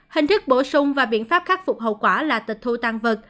hình thức bổ sung và biện pháp khắc phục hậu quả là tịch thu tăng vật